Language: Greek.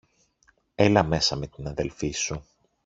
Έλα μέσα με την αδελφή σου.